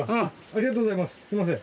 ありがとうございます。